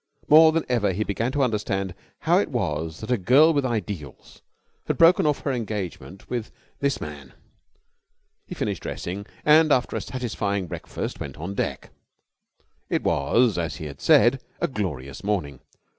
More than ever he began to understand how it was that a girl with ideals had broken off her engagement with this man. He finished dressing, and, after a satisfying breakfast, went on deck. It was, as he had said, a glorious morning.